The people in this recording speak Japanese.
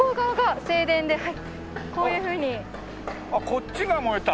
こっちが燃えた。